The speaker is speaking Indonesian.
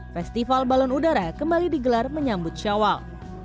festival balon udara kembali digelar menyambut syawal